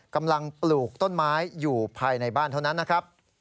ปลูกต้นไม้อยู่ภายในบ้านเท่านั้นนะครับ